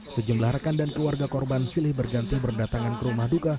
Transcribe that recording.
sejumlah rekan dan keluarga korban silih berganti berdatangan ke rumah duka